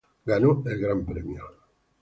Ganó el gran premio.